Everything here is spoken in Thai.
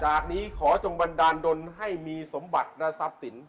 จากนี้ขอจงบันดาลดนให้มีสมบัติและทรัพย์สิน